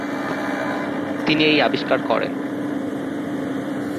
তিনি এই আবিষ্কার করেন।